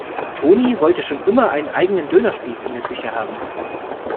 Toni wollte schon immer einen eigenen Dönerspieß in der Küche haben.